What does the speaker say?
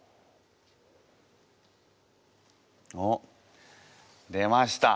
おっ出ました